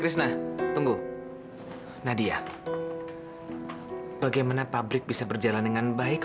sampai jumpa di video selanjutnya